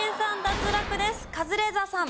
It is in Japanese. カズレーザーさん。